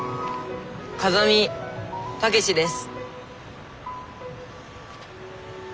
風見武志です。